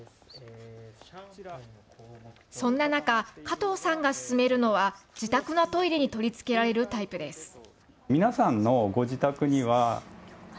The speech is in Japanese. そんな中、加藤さんが勧めるのは自宅のトイレに取り付けられるタイプです。